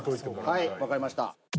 はいわかりました。